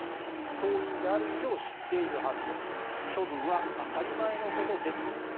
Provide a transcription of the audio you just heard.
党員である以上知っているはずですと処分は当たり前のことですと。